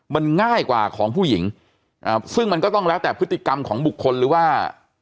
มันง่ายกว่าของผู้หญิงซึ่งมันก็ต้องแล้วแต่พฤติกรรมของบุคคลหรือว่า